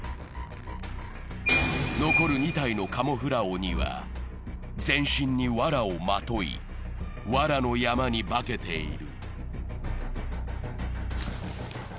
残る２体のカモフラ鬼は全身にわらをまとい、わらの山に化けている。